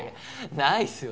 ないっすよ